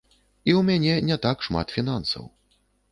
І ў мяне не так шмат фінансаў.